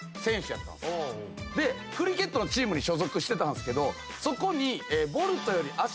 クリケットのチームに所属してたんすけどそこに。